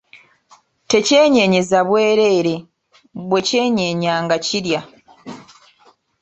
Tekyenyeenyeza bweereere, bwe kyenyeenya nga kirya.